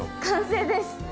完成です。